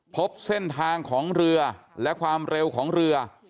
พบเส้นทางของเรือและความเร็วของเรือ